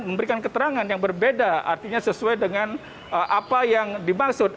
memberikan keterangan yang berbeda artinya sesuai dengan apa yang dimaksud